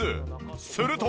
すると。